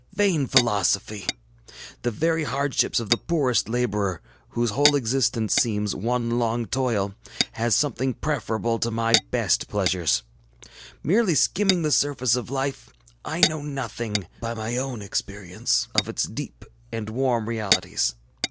Vain philosophy! The very hardships of the poorest laborer, whose whole existence seems one long toil, has something preferable to my best pleasures. ŌĆ£Merely skimming the surface of life, I know nothing, by my own experience, of its deep and warm realities.